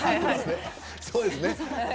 そうですよね。